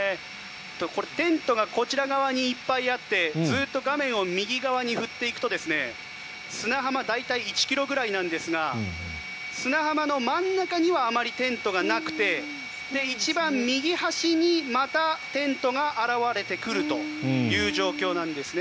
これ、テントがこちら側にいっぱいあってずっと画面を右側に振っていくと砂浜、大体１ｋｍぐらいですが砂浜の真ん中にはあまりテントがなくて一番右端にまたテントが現れてくるという状況なんですね。